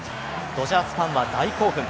ドジャースファンは大興奮。